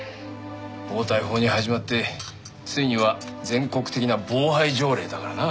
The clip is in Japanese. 暴対法に始まってついには全国的な暴排条例だからな。